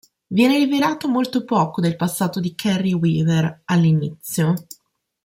Viene rivelato molto poco del passato di Kerry Weaver all'inizio.